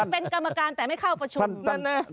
เป็นกรรมการแต่ไม่เข้าประชุมนั่นนะ